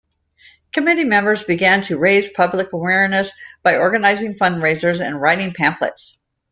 Committee members began to raise public awareness by organizing fundraisers and writing pamphlets.